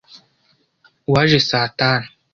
Waje saa tanu.